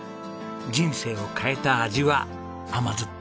人生を変えた味は甘酸っぱい！